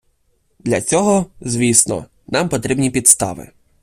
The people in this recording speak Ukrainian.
Для цього, звісно, нам потрібні підстави.